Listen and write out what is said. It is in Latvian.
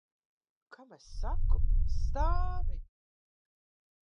Kam es saku? Stāvi!